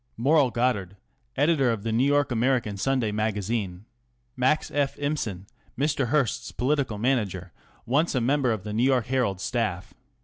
Morrill Goddard, editor of the New York American Sunday Magazine. Max F. Ihmsen, Mr. Hearst's political manager ; once a member of the New York Herald* s staff.